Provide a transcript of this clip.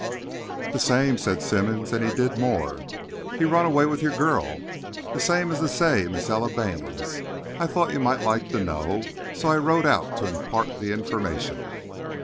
"The same," said Simmons. "And he did more. He run away with your girl, the same as to say Miss Ella Baynes. I thought you might like to know, so I rode out to impart the information."